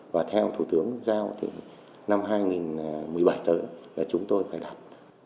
và theo thủ tướng giao thì năm hai nghìn một mươi bảy tới là chúng tôi phải đạt tám mươi hai tám